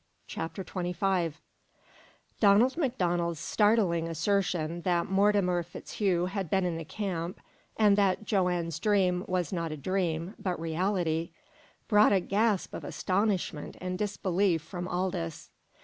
CHAPTER XXV Donald MacDonald's startling assertion that Mortimer FitzHugh had been in the camp, and that Joanne's dream was not a dream, but reality, brought a gasp of astonishment and disbelief from Aldous.